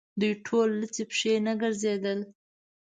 دوی ټول لڅې پښې نه ګرځېدل.